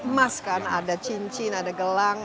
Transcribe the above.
emas kan ada cincin ada gelang